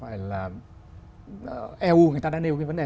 eu đã nêu vấn đề